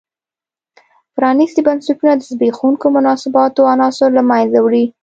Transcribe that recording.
پرانیستي بنسټونه د زبېښونکو مناسباتو عناصر له منځه وړي.